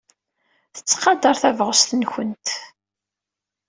Tettqadar tabɣest-nwent.